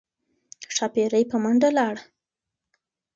ښاپیرۍ په منډه لاړه